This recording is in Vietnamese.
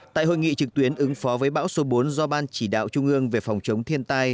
tại hội nghị trực tuyến ứng phó với bão số bốn do ban chỉ đạo trung ương về phòng chống thiên tai